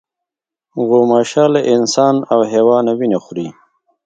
غوماشه له انسان او حیوانه وینه خوري.